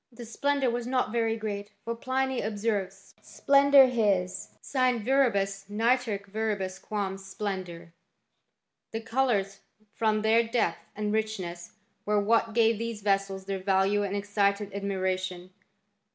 The splendour was not very great, for Pliny ob serves, " Splendor his sine viribus nitorque verius quam splendor." The colours, from their depth and richness, werewhat gave these vessels theit value and excited admiration.